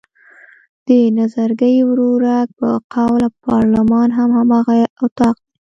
د نظرګي ورورک په قول پارلمان هم هماغه اطاق دی.